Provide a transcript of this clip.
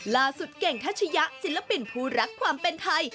เก่งทัชยะศิลปินผู้รักความเป็นไทย